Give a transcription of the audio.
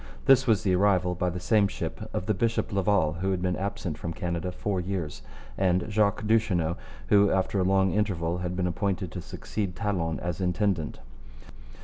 This was the arrival, by the same ship, of the bishop Laval, who had been absent from Canada four years, and Jacques Duchesneau, who after a long interval had been appointed to succeed Talon as intendant.